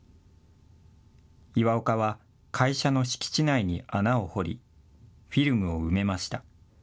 岩岡は会社の敷地内に穴を掘りフィルムを埋めました。